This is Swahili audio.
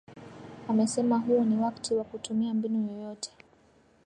amesema huu ni wakti wa kutumia mbinu yeyote